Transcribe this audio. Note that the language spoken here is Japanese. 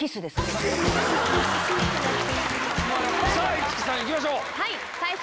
市來さんいきましょう。